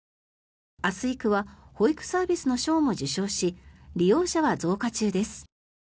あすいくは保育サービスの賞も受賞し利用者は増加中です。